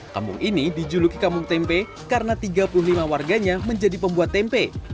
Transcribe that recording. kampung ini dijuluki kampung tempe karena tiga puluh lima warganya menjadi pembuat tempe